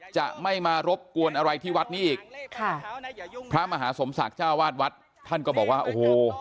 จะไม่มารบกวนอะไรที่วัดนี้อีกค่ะพระมหาสมศักดิ์เจ้าวาดวัดท่านก็บอกว่าโอ้โห